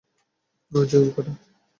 অই যে উল্কাটা?